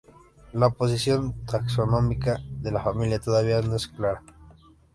La posición taxonómica de la familia todavía no es clara.